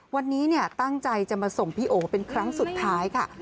วันนี้ตั้งใจจะมาส่งพี่โอเป็นครั้งสุดท้ายค่ะ